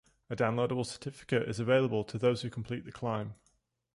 A downloadable certificate is available to those who complete the climb.